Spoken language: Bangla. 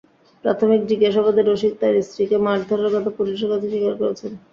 প্রাথমিক জিজ্ঞাসাবাদে রশিদ তাঁর স্ত্রীকে মারধরের কথা পুলিশের কাছে স্বীকার করেছেন।